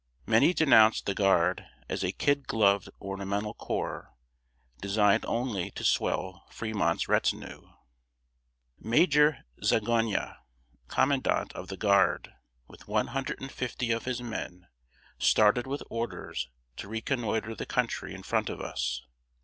Many denounced the Guard as a "kid gloved," ornamental corps, designed only to swell Fremont's retinue. Major Zagonyi, commandant of the Guard, with one hundred and fifty of his men, started with orders to reconnoiter the country in front of us.